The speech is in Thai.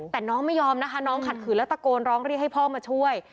แต่น้องไม่ยอมนะคะน้องขัดขืนแล้วตะโกนร้องเรียกให้พ่อมาช่วย